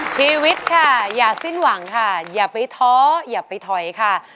ชีวิตค่ะอย่าสิ้นหวังค่ะอย่าไปท้ออย่าไปถอยค่ะ